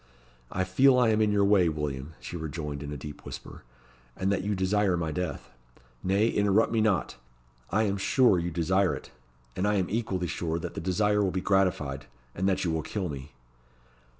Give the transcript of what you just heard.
"I feel I am in your way, William," she rejoined, in a deep whisper; "and that you desire my death. Nay, interrupt me not; I am sure you desire it; and I am equally sure that the desire will be gratified, and that you will kill me."